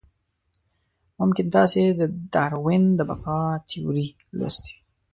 ممکن تاسې د داروېن د بقا تیوري لوستې وي.